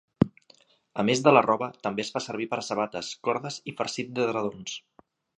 A més de la roba, també es fa servir per a sabates, cordes i farcit d'edredons.